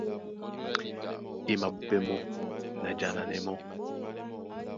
E mabupɛ́ mɔ́ na jananɛ mɔ́,